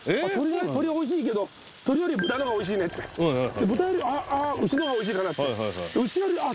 鶏おいしいけど鶏より豚の方がおいしいねって豚よりあっ牛の方がおいしいかなって牛よりあっ